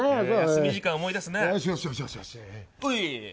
休み時間、思い出すな。